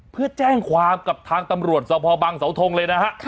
เพื่อแจ้งความกับทางตำรวจสภบังเสาทงเลยนะฮะ